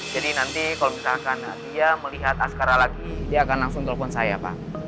jadi nanti kalau misalkan dia melihat askara lagi dia akan langsung telepon saya pak